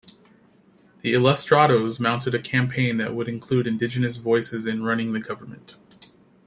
The Illustrados mounted a campaign that would include indigenous voices in running the government.